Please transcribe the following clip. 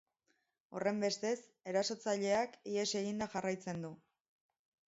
Horrenbestez, erasotzaileak ihes eginda jarraitzen du.